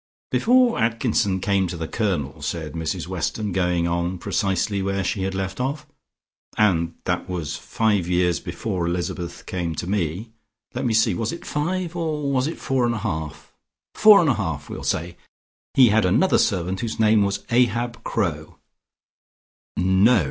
"Before Atkinson came to the Colonel," said Mrs Weston, going on precisely where she had left off, "and that was five years before Elizabeth came to me let me see was it five or was it four and a half? four and a half we'll say, he had another servant whose name was Ahab Crowe." "No!"